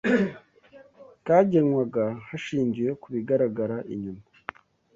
kagenwaga hashingiwe ku bigaragara inyuma